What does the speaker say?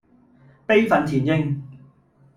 悲憤填膺